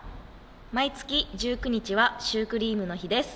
毎月１９日はシュークリームの日です。